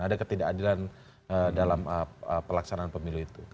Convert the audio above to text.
ada ketidakadilan dalam pelaksanaan pemilu itu